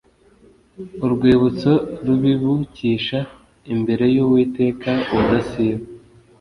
urwibutso rubibukisha imbere y Uwiteka ubudasiba.